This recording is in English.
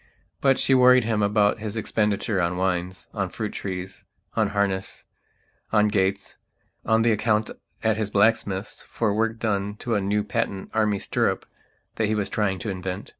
But she worried him about his expenditure on wines, on fruit trees, on harness, on gates, on the account at his blacksmith's for work done to a new patent Army stirrup that he was trying to invent.